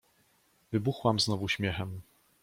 Wybuchłam znowu śmiechem.